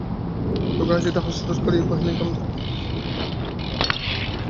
রঘুপতি হাস্য সম্বরণ করিয়া কহিলেন, কেমনতরো ব্যাঙ বলো দেখি।